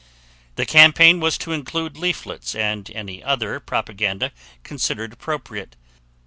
The campaign was to include leaflets and any other propaganda considered appropriate.